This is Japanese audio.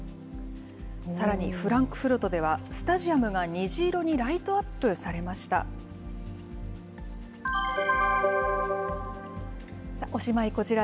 さらに、フランクフルトでは、スタジアムが虹色にライトアップされました。